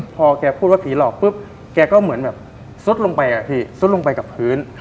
พอแกพูดว่าผีหลอกปุ๊บแกก็เหมือนแบบซุดลงไปซุดลงไปกับพื้น